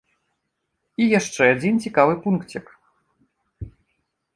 І яшчэ адзін цікавы пункцік.